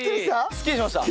すっきりしました。